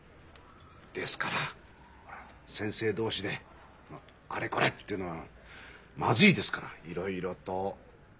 ですから先生同士であれこれっていうのはまずいですからいろいろと。